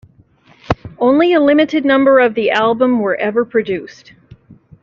Only a limited number of the album were ever produced.